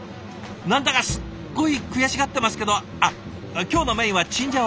何だかすっごい悔しがってますけど今日のメインはチンジャオロースー。